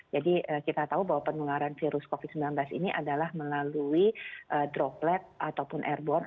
jadi kita tahu bahwa penularan virus covid sembilan belas ini adalah melalui droplet ataupun airborne